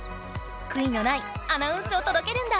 くいのないアナウンスをとどけるんだ！